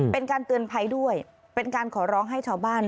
เป็นการเตือนภัยด้วยเป็นการขอร้องให้ชาวบ้าน